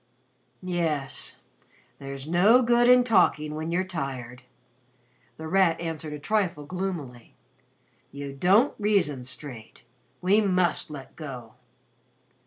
'" "Yes. There's no good in talking when you're tired," The Rat answered a trifle gloomily. "You don't reason straight. We must 'let go.'"